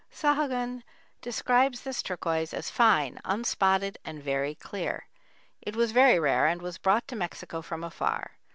Sahagun describes this turquoise as "fine, unspotted and very clear. It was very rare and was brought to Mexico from afar.